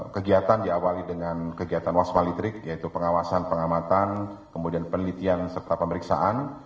kegiatan diawali dengan kegiatan waspa litrik yaitu pengawasan pengamatan kemudian penelitian serta pemeriksaan